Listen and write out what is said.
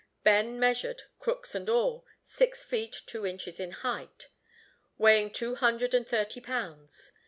Ben measured, crooks and all, six feet two inches in height, weighing two hundred and thirty pounds.